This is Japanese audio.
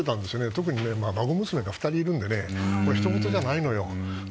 特に孫娘が２人いるのでひとごとじゃないのよ。